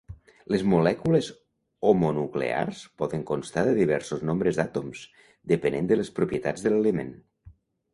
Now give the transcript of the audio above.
Les molècules homonuclears poden constar de diversos nombres d'àtoms, depenent de les propietats de l'element.